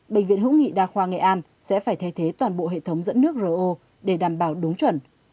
bệnh viện hữu nghị đa khoa nghệ an sẽ phải thay thế toàn bộ hệ thống dẫn nước ro để đảm bảo đúng chuẩn